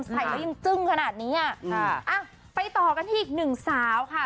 ใส่ริมจึ้งขนาดนี้ไปต่อกันที่อีกหนึ่งสาวค่ะ